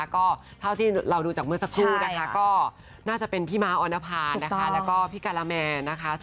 ก็เท่าที่เราดูจากเมื่อสักครู่นะคะก็น่าจะเป็นพี่ม้าออนภานะคะแล้วก็พี่การาแมนนะคะ